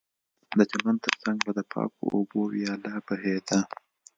د چمن ترڅنګ به د پاکو اوبو ویاله بهېده